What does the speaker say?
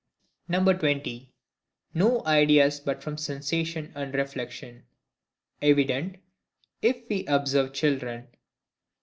20. No ideas but from Sensation and Reflection, evident, if we observe Children.